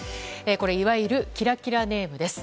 これいわゆるキラキラネームです。